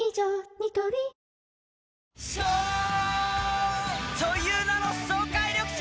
ニトリ颯という名の爽快緑茶！